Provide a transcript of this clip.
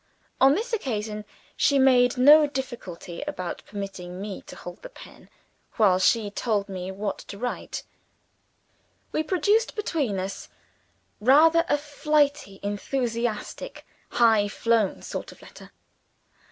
On this occasion, she made no difficulty about permitting me to hold the pen, while she told me what to write. We produced between us rather a flighty, enthusiastic, high flown sort of letter.